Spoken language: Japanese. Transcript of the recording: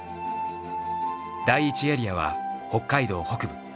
第１エリアは北海道北部。